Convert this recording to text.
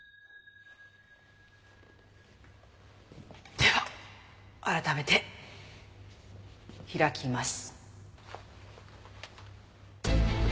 では改めて開きます。